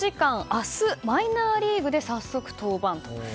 明日、マイナーリーグで早速、登板と。